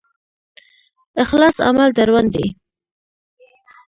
اخلاص عمل دروندوي